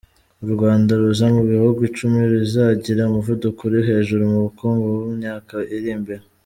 U Rwanda ruza mu bihugu icumi bizagira umuvuduko uri hejuru mu bukungu mumyaka irimbere